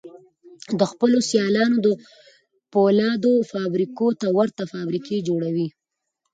د خپلو سيالانو د پولادو فابريکو ته ورته فابريکې جوړوي.